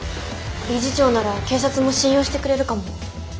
理事長なら警察も信用してくれるかも。